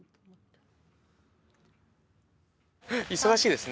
忙しいですね。